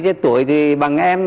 thế tuổi thì bằng em